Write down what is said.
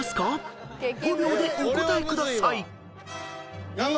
［５秒でお答えください］